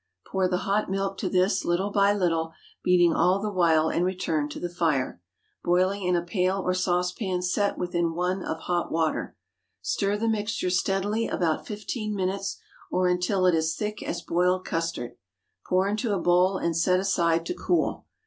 Pour the hot milk to this, little by little, beating all the while, and return to the fire—boiling in a pail or saucepan set within one of hot water. Stir the mixture steadily about fifteen minutes, or until it is thick as boiled custard. Pour into a bowl and set aside to cool.